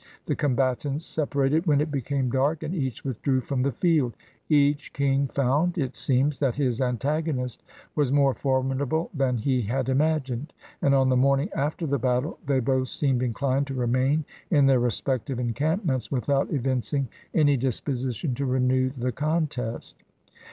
The combatants separated when it became dark, and each withdrew from the field. Each kinp found, it seems, that his antagonist was more formidable than he had imagined, and on the morning after the battle they both seemed inchned to remain in their respective en campments, without evincing any disposition to renew the contest.